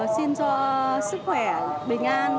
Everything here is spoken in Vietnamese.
xin cho sức khỏe bình an